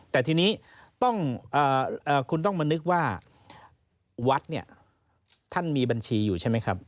แต่ทีนี้คุณต้องมานึกว่าวัดเนี่ยท่านมีบัญชีอยู่ใช่ไหมครับ